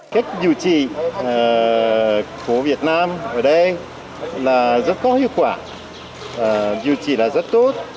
cách dự trì của việt nam ở đây là rất có hiệu quả dự trì là rất tốt